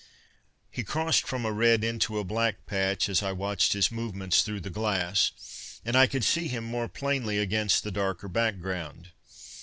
He crossed from a red into a black patch as I watched his movements through the glass, and I could see him more plainly against the darker background.